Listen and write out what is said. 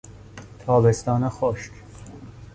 تابستان خشک